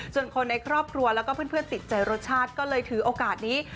ส่วนคนในครอบครัวแล้วก็เพื่อนติดใจรสชาติก็เลยถือโอกาสนี้